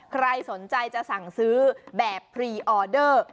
ใครสนใจจะสั่งซื้อแบบพรีออเดอร์